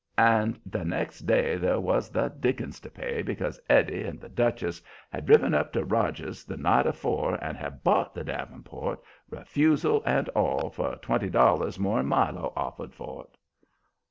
And the next day there was the dickens to pay because Eddie and the Duchess had driven up to Rogers' the night afore and had bought the davenport, refusal and all, for twenty dollars more'n Milo offered for it.